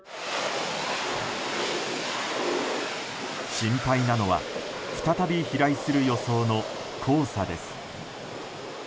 心配なのは再び飛来する予想の黄砂です。